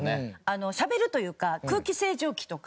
しゃべるというか空気清浄機とか。